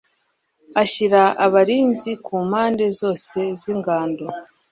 ashyira abarinzi ku mpande zose z'ingando